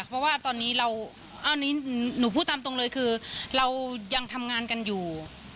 เพราะว่าตอนนี้เราหนูพูดตามตรงเลยคือเรายังทำงานกันอยู่